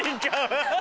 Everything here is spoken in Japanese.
アハハハ。